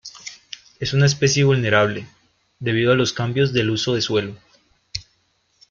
Es una especie vulnerable, debido a los cambios del uso de suelo.